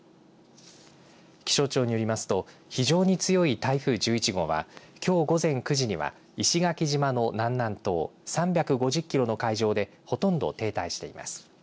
気象庁によりますと非常に強い台風１１号はきょう午前９時には石垣島の南南東３５０キロの海上でほとんど停滞しています。